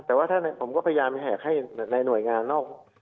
แต่ว่าถ้าผมก็พยายามแหกให้ในหน่วยงานนอก